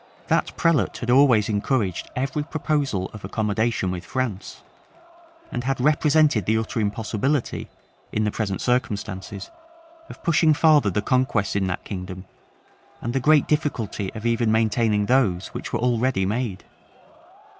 That prelate had always encouraged every proposal of accommodation with France; and had represented the utter impossibility, in the present circumstances, of pushing farther the conquests in that kingdom, and the great difficulty of even maintaining those which were already made.